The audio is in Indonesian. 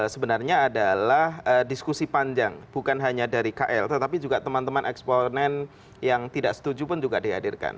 sebenarnya adalah diskusi panjang bukan hanya dari kl tetapi juga teman teman eksponen yang tidak setuju pun juga dihadirkan